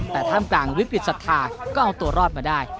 แต่ท่ามกลางวิกฤตศรัทธาก็เอาตัวรอดมาได้